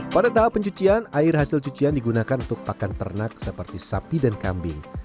pada tahap pencucian air hasil cucian digunakan untuk pakan ternak seperti sapi dan kambing